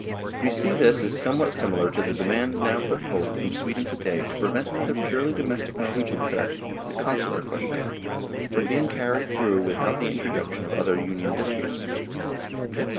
We see this is some what similar to the demands now put forward from Sweden to day to prevent another purely do mestic Norwegian affair the Consular question from being carried through without the introduc tion of other Union disputes.